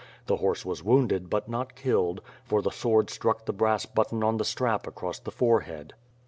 The horse was wounded but not killed, for the sword struck the brass button on the strap across the forehead.